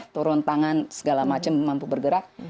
turun tangan segala macam mampu bergerak